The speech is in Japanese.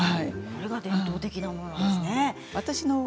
伝統的なものなんですね。